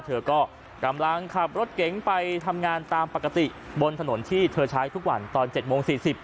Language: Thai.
เธอก็กำลังขับรถเก๋งไปทำงานตามปกติบนถนนที่เธอใช้ทุกวันตอน๗โมง๔๐